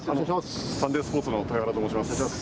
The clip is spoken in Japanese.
サンデースポーツの豊原と申します。